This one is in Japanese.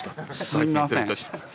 すいません。